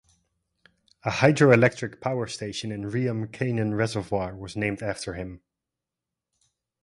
A hydroelectric power station in Riam Kanan Reservoir was named after him.